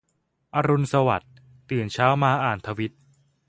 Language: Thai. อรุณสวัสดิ์ ตื่นเช้ามาอ่านทวิต